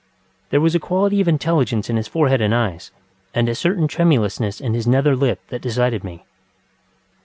There was a quality of intelligence in his forehead and eyes, and a certain tremulousness in his nether lip that decided me.